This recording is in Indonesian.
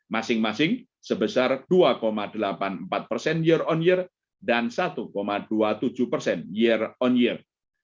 masing masing sebesar dua delapan puluh empat persen year on year dan satu dua puluh tujuh persen year on year